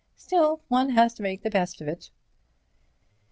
Still, one has to make the best of it."